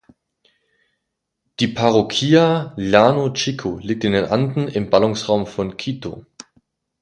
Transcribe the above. Die Parroquia Llano Chico liegt in den Anden im Ballungsraum von Quito.